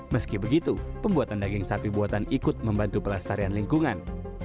meski begitu pembuatan daging sapi buatan ikut membantu pelestarian lingkungan